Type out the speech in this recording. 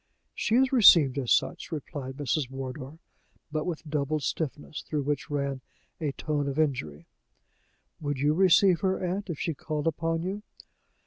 "She is received as such," replied Mrs. Wardour, but with doubled stiffness, through which ran a tone of injury. "Would you receive her, aunt, if she called upon you?"